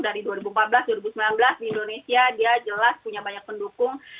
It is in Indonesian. dari dua ribu empat belas dua ribu sembilan belas di indonesia dia jelas punya banyak pendukung